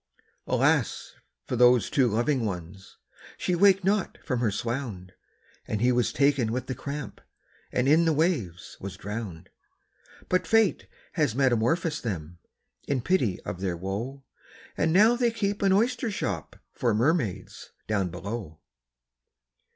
Alas for those two loving ones! she waked not from her swound, And he was taken with the cramp, and in the waves was drowned; But Fate has metamorphosed them, in pity of their woe, And now they keep an oyster shop for mermaids down below.